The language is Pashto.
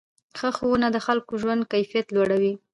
ښه ښوونه د خلکو ژوند کیفیت لوړوي.